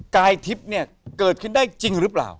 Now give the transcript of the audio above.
กายทิพย์เนี่ยเกิดขึ้นได้จริงหรือเปล่า